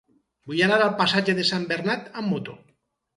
Vull anar al passatge de Sant Bernat amb moto.